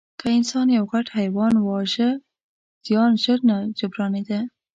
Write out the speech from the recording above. که انسان یو غټ حیوان واژه، زیان ژر نه جبرانېده.